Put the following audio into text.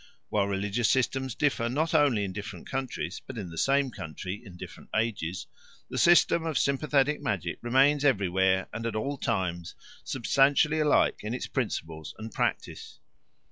While religious systems differ not only in different countries, but in the same country in different ages, the system of sympathetic magic remains everywhere and at all times substantially alike in its principles and practice.